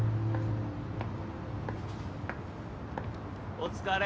・お疲れ。